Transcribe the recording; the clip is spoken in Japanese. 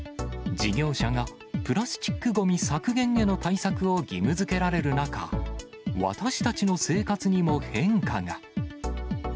事業者がプラスチックごみ削減への対策を義務づけられる中、私たちの生活にも変化が。